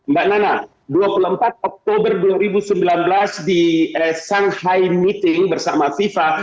mbak nana dua puluh empat oktober dua ribu sembilan belas di shanghai meeting bersama fifa